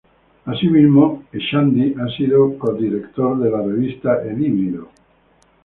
Asimismo, Echandi ha sido co-director de la revista "El Híbrido".